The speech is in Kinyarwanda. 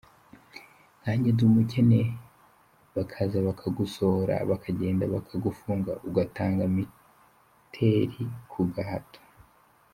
Nka njye ndi umukene bakaza bakagusohora bakagenda bakagufunga ugatanga miteli ku gahato.